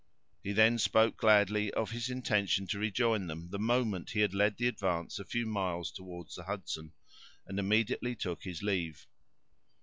He then spoke gladly of his intention to rejoin them the moment he had led the advance a few miles toward the Hudson, and immediately took his leave.